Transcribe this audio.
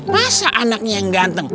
masa anaknya yang ganteng